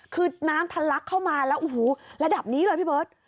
คือน้ำทะลักเข้ามาแล้วโอ้โหระดับนี้เลยพี่เบิร์ต